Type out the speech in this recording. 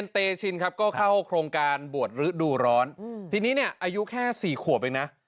เตชินครับก็เข้าโครงการบวชฤดูร้อนทีนี้เนี่ยอายุแค่๔ขวบเองนะ